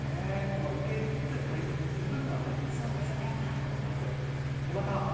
受け入れつつ大切にする部分は大切にしたいなと思います。